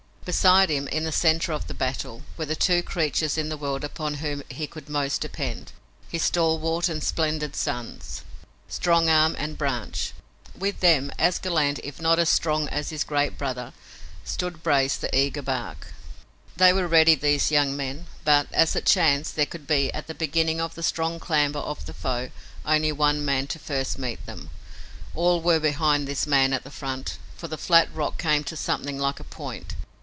Beside him, in the center of the battle, were the two creatures in the world upon whom he could most depend, his stalwart and splendid sons, Strong Arm and Branch. With them, as gallant if not as strong as his great brother, stood braced the eager Bark. They were ready, these young men, but, as it chanced, there could be, at the beginning of the strong clamber of the foe, only one man to first meet them. All were behind this man at the front, for the flat rock came to something like a point.